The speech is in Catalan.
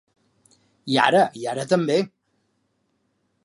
I ara, i ara també.